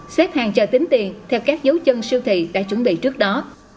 xếp hàng chờ tính tiền theo các dấu chân siêu thị đã chuẩn bị trước đó